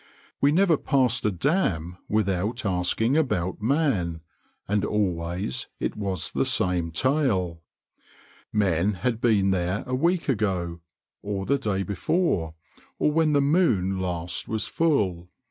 We never passed a dam without asking about man, and always it was the same tale. Men had been there a week ago, or the day before, or when the moon last was full.